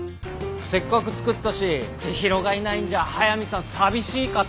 せっかく作ったし知博がいないんじゃ速見さん寂しいかと思ってな。